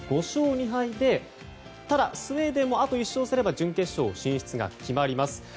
５勝２敗でただ、スウェーデンもあと１勝すれば準決勝進出が決まります。